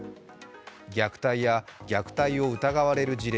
虐待や虐待を疑われる事例